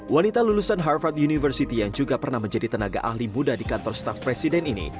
wanita lulusan harvard university yang juga pernah menjadi tenaga ahli muda di kantor staf presiden ini